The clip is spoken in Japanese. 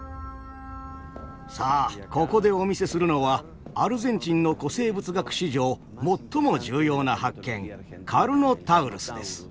さあここでお見せするのはアルゼンチンの古生物学史上最も重要な発見カルノタウルスです。